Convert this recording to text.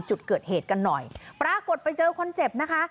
จุดเกิดเหตุกันหน่อยปรากฏไปเจอคนเจ็บนะคะ